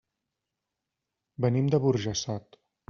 Venim de Burjassot.